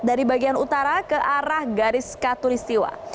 dari bagian utara ke arah garis katulistiwa